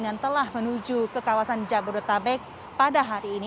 yang telah menuju ke kawasan jabodetabek pada hari ini